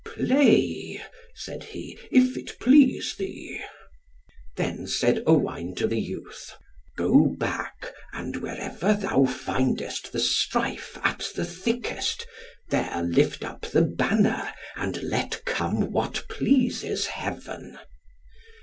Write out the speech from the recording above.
"Play," said he "if it please thee." Then said Owain to the youth, "Go back, and wherever thou findest the strife at the thickest, there lift up the banner, and let come what pleases Heaven."